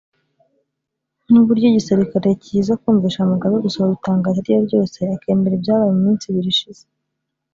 ni uburyo igisirikare kiza kumvisha Mugabe gusohora itangazo iryo ari ryose akemera ibyabaye mu minsi ibiri ishize